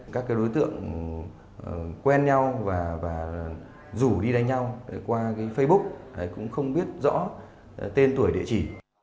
các đối tượng quen nhau và rủ đi đánh nhau qua facebook cũng không biết rõ tên tuổi địa chỉ